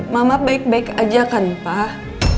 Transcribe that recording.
mama baik baik aja kan pak